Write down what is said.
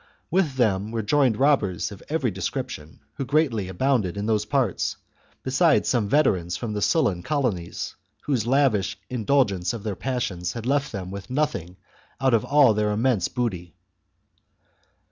With them were joined robbers of every description who greatly abounded in those parts, besides some veterans from the Sullan colonies, whose lavish indulgence of their passions had left them with nothing out of all their immense booty.